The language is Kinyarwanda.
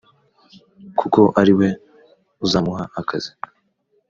kuko ari we uzamuha akazi